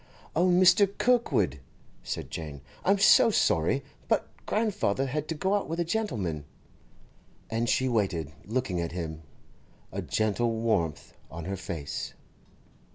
'Oh, Mr. Kirkwood,' said Jane, 'I'm so sorry, but grandfather had to go out with a gentleman.' And she waited, looking at him, a gentle warmth on her face.